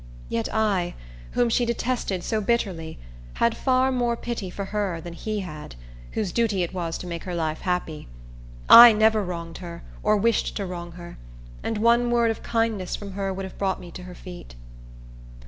Yet I, whom she detested so bitterly, had far more pity for her than he had, whose duty it was to make her life happy. I never wronged her, or wished to wrong her, and one word of kindness from her would have brought me to her feet.